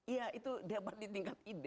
iya itu dapat ditingkat ide